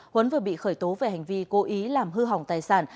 huấn vừa bị khởi tố về hành vi cố ý làm hư hỏng tài sản